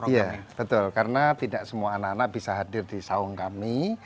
iya betul karena tidak semua anak anak bisa hadir di saung kami